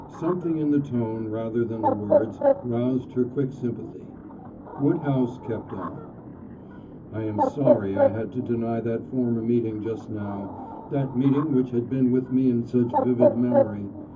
Something in the tone rather than the words roused her quick sympathy. Woodhouse kept on: "I am sorry I had to deny that former meeting just now that meeting which has been with me in such vivid memory.